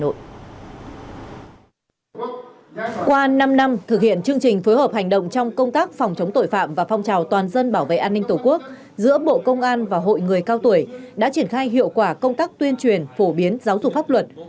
qua năm năm thực hiện chương trình phối hợp hành động trong công tác phòng chống tội phạm và phong trào toàn dân bảo vệ an ninh tổ quốc giữa bộ công an và hội người cao tuổi đã triển khai hiệu quả công tác tuyên truyền phổ biến giáo dục pháp luật